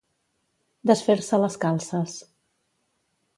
Desfer-se les calces.